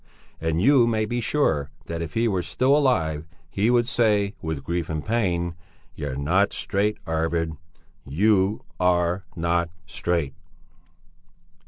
And you may be sure that if he were still alive he would say with grief and pain: 'You're not straight, Arvid, you are not straight!'"